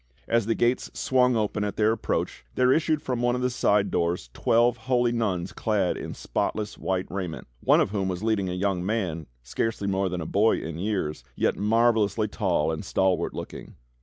As the gates swung open at their approach, there issued from one of the side doors twelve holy nuns clad in spotless white raiment, one of whom was leading a young man, scarcely more than a boy in years, yet marvelously tall and stalwart looking.